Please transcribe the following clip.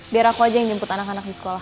biar aku aja yang jemput anak anak di sekolah